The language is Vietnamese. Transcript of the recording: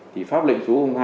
thì pháp lệnh số hôm hai